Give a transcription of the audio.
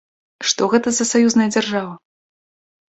Што гэта за саюзная дзяржава?